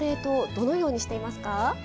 どのようにしていますか？